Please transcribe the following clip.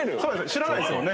知らないですもんね。